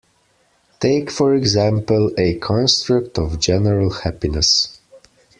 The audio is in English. Take, for example, a construct of general happiness.